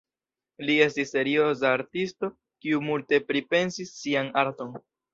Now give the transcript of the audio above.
Li estis serioza artisto, kiu multe pripensis sian arton.